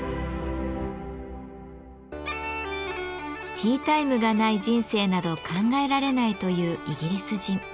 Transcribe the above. ティータイムがない人生など考えられないというイギリス人。